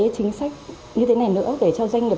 chính sách như thế này nữa để cho doanh nghiệp